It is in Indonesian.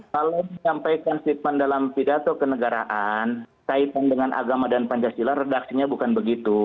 kalau menyampaikan statement dalam pidato kenegaraan kaitan dengan agama dan pancasila redaksinya bukan begitu